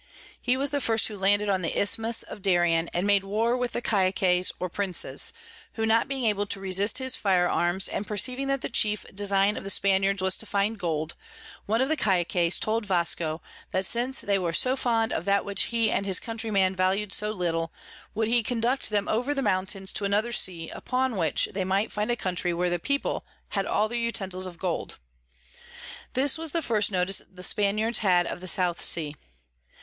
He was the first who landed on the Isthmus of Darien, and made war with their Caciques or Princes; who not being able to resist his Fire Arms, and perceiving that the chief Design of the Spaniards was to find Gold, one of the Caciques told Vasco, that since they were so fond of that which he and his Countrymen valu'd so little, he would conduct them over the Mountains to another Sea, upon which they might find a Country where the People had all their Utensils of Gold. This was the first notice the Spaniards had of the South Sea.